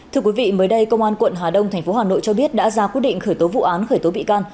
thưa quý vị mới đây công an quận hà đông tp hà nội cho biết đã ra quyết định khởi tố vụ án khởi tố bị can